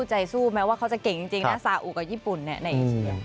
ใจสู้แม้ว่าเขาจะเก่งจริงนะสาวกับญี่ปุ่นเนี่ย